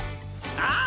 ああ！